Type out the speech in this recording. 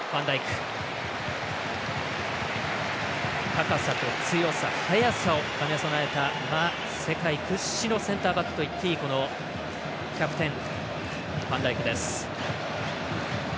高さと強さ、速さを兼ね備えた世界屈指のセンターバックといっていいキャプテン、ファンダイクです。